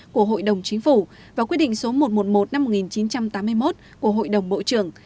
của hội đồng chính phủ và quyết định số một trăm một mươi một năm một nghìn chín trăm tám mươi một của hội đồng bộ trưởng